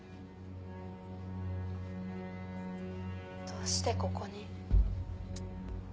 どうしてここに？